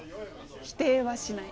否定はしない。